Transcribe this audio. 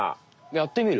やってみる？